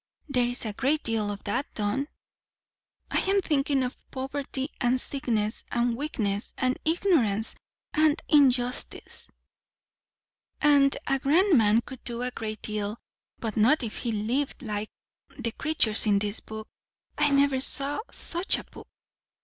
There is a great deal of that done." "I am thinking of poverty, and sickness, and weakness, and ignorance, and injustice. And a grand man could do a great deal. But not if he lived like the creatures in this book. I never saw such a book."